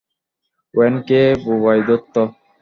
ওয়েনকে বোবায় ধরত।